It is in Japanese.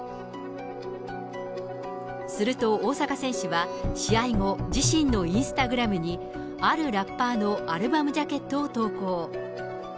すると大坂選手は試合後、自身のインスタグラムに、あるラッパーのアルバムジャケットを投稿。